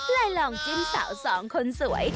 และลองจิ้นเสาร์สองคนสวย